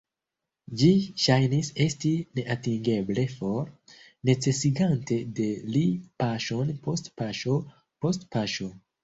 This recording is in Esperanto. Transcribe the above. Ĝi ŝajnis esti neatingeble for, necesigante de li paŝon post paŝo post paŝo.